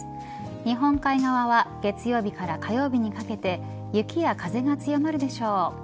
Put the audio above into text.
日本海側は月曜日から火曜日にかけて雪や風が強まるでしょう。